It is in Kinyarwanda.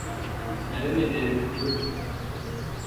Nari ntegereje kubivuga